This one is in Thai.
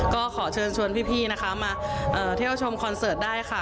ก็ขอเชิญชวนพี่นะคะมาเที่ยวชมคอนเสิร์ตได้ค่ะ